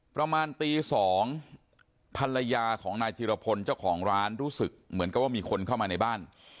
ประมาณตี๒ภรรยาของนายธิรพลเจ้าของร้านรู้สึกเหมือนกับว่ามีคนเข้ามาในบ้าน